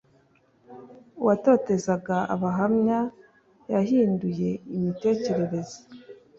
uwatotezaga abahamya yahinduye imitekerereze